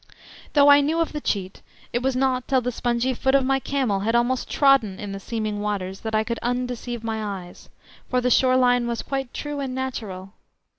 Though I knew of the cheat, it was not till the spongy foot of my camel had almost trodden in the seeming waters that I could undeceive my eyes, for the shore line was quite true and natural.